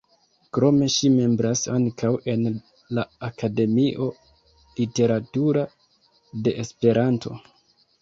Krome, ŝi membras ankaŭ en la Akademio Literatura de Esperanto.